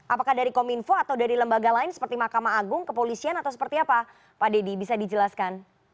apakah dari kominfo atau dari lembaga lain seperti mahkamah agung kepolisian atau seperti apa pak dedy bisa dijelaskan